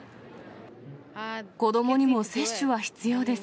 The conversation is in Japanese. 子どもにも接種は必要です。